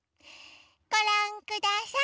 ごらんください。